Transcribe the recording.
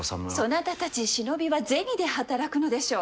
そなたたち忍びは銭で働くのでしょう。